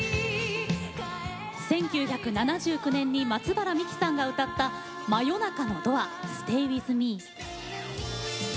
１９７９年に松原みきさんが歌った「真夜中のドアｓｔａｙｗｉｔｈｍｅ」。